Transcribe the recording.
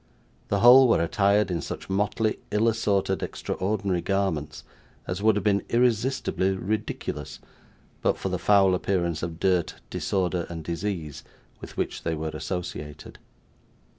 The whole were attired in such motley, ill assorted, extraordinary garments, as would have been irresistibly ridiculous, but for the foul appearance of dirt, disorder, and disease, with which they were associated.